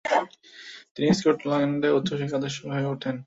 তিনি স্কটল্যান্ডে উচ্চশিক্ষার আদর্শ হয়ে ওঠেন।